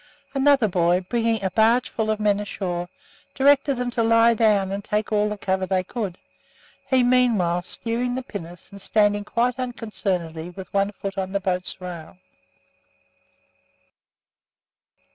Another boy, bringing a barge full of men ashore, directed them to lie down and take all the cover they could, he meanwhile steering the pinnace and standing quite unconcernedly with one foot on the boat's rail.